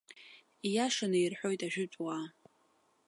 Ииашаны ирҳәоит ажәытәуаа.